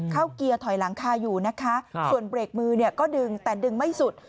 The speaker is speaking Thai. เกียร์ถอยหลังคาอยู่นะคะส่วนเบรกมือเนี่ยก็ดึงแต่ดึงไม่สุด